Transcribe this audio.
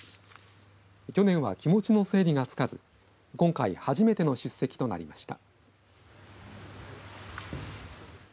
去年は気持ちの整理がつかず今回初めての出席となりました。